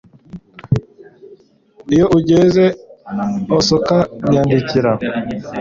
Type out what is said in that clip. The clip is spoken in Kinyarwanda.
Iyo ugeze Osaka nyandikira